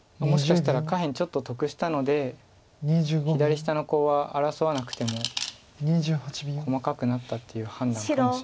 もしかしたら下辺ちょっと得したので左下のコウは争わなくても細かくなったっていう。